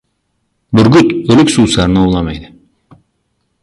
• Burgut o‘lik suvsarni ovlamaydi.